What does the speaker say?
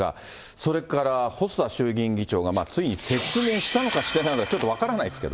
それから細田衆議院議長がついに説明したのかしてないのか、ちょっと分からないですけど。